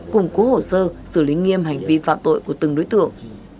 củng cố hồ sơ xử lý nghiêm hành vi phạm tội của từng đối tượng